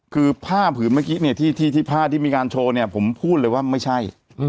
คือผ้าผืนเมื่อกี้เนี่ยที่ผ้าที่มีการโชว์เนี่ยผมพูดเลยว่าไม่ใช่